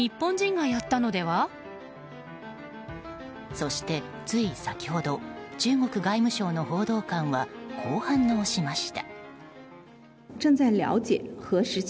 そしてつい先ほど中国外務省の報道官はこう反応しました。